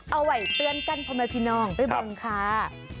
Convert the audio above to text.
เอาไว้เตือนกันพ่อแม่พี่น้องไปบงค่ะ